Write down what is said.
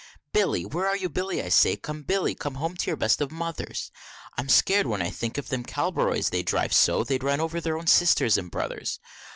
Billy where are you, Billy, I say? come, Billy, come home, to your best of Mothers! I'm scared when I think of them Cabroleys, they drive so, they'd run over their own Sisters and Brothers.